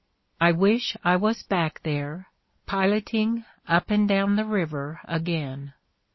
I wish I was back there piloting up and down the river again.